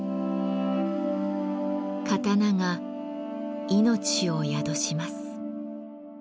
刀が命を宿します。